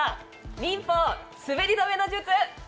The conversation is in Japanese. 忍法・滑り止めの術！